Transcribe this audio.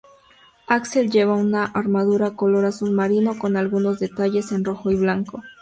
Axl lleva una armadura color azul marino con algunos detalles en rojo y blanco.